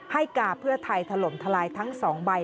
กาเพื่อไทยถล่มทลายทั้ง๒ใบ